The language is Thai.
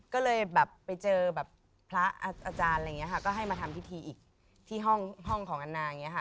ก็เลยแบบไปเจอแบบพระอาจารย์อะไรอย่างนี้ค่ะก็ให้มาทำพิธีอีกที่ห้องของอันนาอย่างนี้ค่ะ